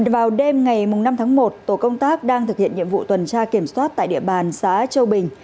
vào đêm ngày năm tháng một tổ công tác đang thực hiện nhiệm vụ tuần tra kiểm soát tại địa bàn xã châu bình